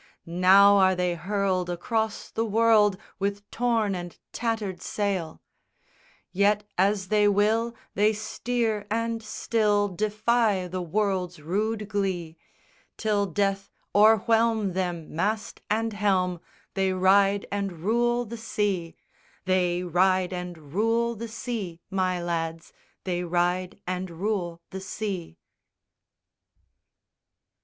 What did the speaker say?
Now are they hurled across the world With torn and tattered sail; Yet, as they will, they steer and still Defy the world's rude glee: Till death o'erwhelm them, mast and helm, They ride and rule the sea._ Chorus: _They ride and rule the sea, My lads, They ride and rule the sea!